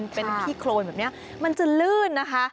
เป็นขี้โครนแบบนี้มันจะลื่นนะคะ